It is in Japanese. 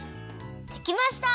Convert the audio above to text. できました！